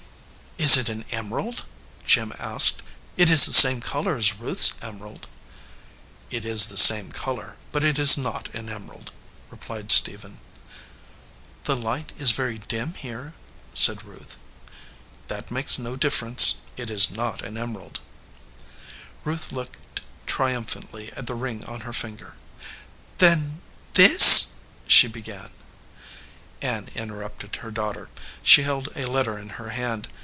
"Is it an emerald ?" Jim asked. "It is the same color as Ruth s emerald." "It is the same color, but it is not an emerald," replied Stephen. "The light is very dim here," said Ruth. "That makes no difference. It is not an emer ald." 19 281 EDGEWATER PEOPLE Ruth looked triumphantly at the ring on her finger. "Then this " she began. Ann interrupted her daughter. She held a let ter in her hand.